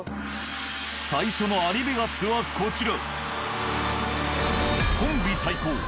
最初のアリベガスはこちら。